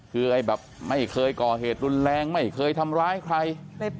คือไอ้แบบไม่เคยก่อเหตุรุนแรงไม่เคยทำร้ายใคร